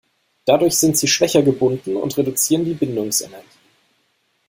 Dadurch sind sie schwächer gebunden und reduzieren die Bindungsenergie.